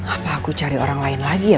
apa aku cari orang lain lagi ya